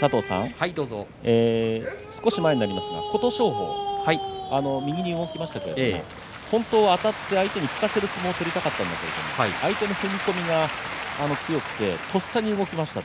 少し前になりますと琴勝峰右に動きましたけども本当はあたって相手に引かせる相撲を取りたかったんですが相手の踏み込みが強くてとっさに動きました。